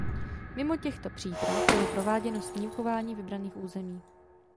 Mimo těchto příprav bylo prováděno snímkování vybraných území.